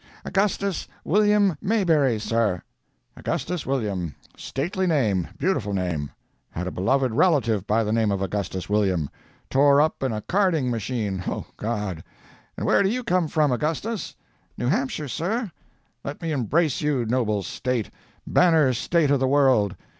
"'Augustus William Mayberry, sir!' "'Augustus William. Stately name—beautiful name. Had a beloved relative by the name of Augustus William. Tore up in a carding machine. Oh, God!—And where do you come from, Augustus?' "'New Hampshire, sir.' "'Let me embrace you, noble State—banner State of the world.